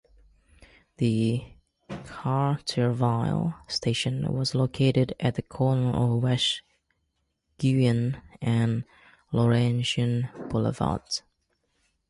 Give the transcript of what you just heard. The Cartierville station was located at the corner of West Gouin and Laurentian boulevards.